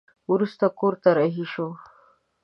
وروسته کور ته رهي شوه.